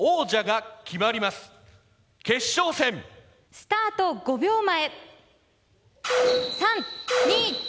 スタート５秒前。